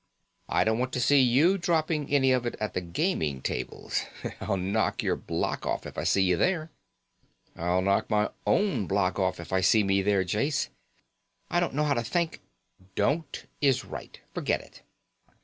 I don't want to see you dropping any of it at the gaming tables. I'll knock your block off if I see you there." "I'll knock my own block off if I see me there. Jase, I don't know how to thank " "Don't is right. Forget it."